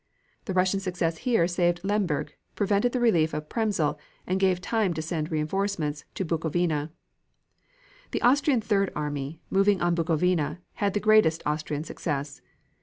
The Russian success here saved Lemberg, prevented the relief of Przemysl and gave time to send reinforcements into Bukovina. The Austrian third army, moving on Bukovina, had the greatest Austrian success.